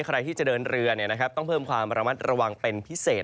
ใครที่จะเดินเรือต้องเพิ่มความระมัดระวังเป็นพิเศษ